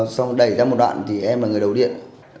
xong rồi đẩy ra một đoạn thì em là người đầu điện